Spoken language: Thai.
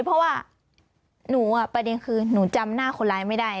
เพราะว่าหนูประเด็นคือหนูจำหน้าคนร้ายไม่ได้